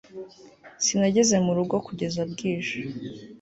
sinageze mu rugo kugeza bwije